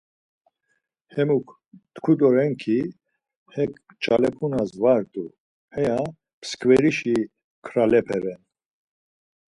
Hemuk tku doren ki:'hek ncalepuna var t̆u, heya mskveriş nkralepe ren.